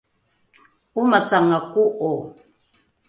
’omacanga ko’o